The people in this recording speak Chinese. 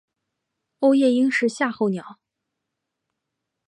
欧夜鹰是夏候鸟。